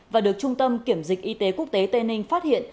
và được trung tâm kiểm dịch y tế quốc tế tây ninh phát hiện